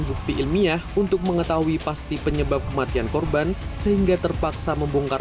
bukti ilmiah untuk mengetahui pasti penyebab kematian korban sehingga terpaksa membongkar